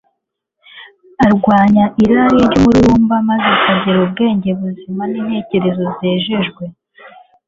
arwanya irari n'umururumba, maze akagira ubwenge buzima n'intekerezo zejejwe